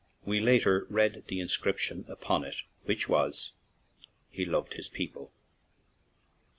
We later read the in scription upon it, which was, "He loved his people."